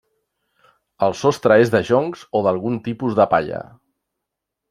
El sostre és de joncs o d'algun tipus de palla.